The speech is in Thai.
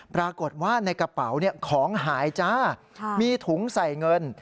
ปรากฏว่าในกระเป๋าของหายจ้ามีถุงใส่เงิน